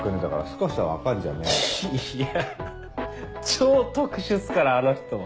超特殊っすからあの人は。